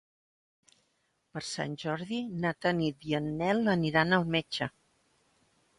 Per Sant Jordi na Tanit i en Nel aniran al metge.